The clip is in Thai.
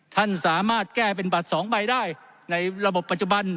ท่านสามารถแก้เป็นบัตร๒ใบได้ในระบบปัจจุบัน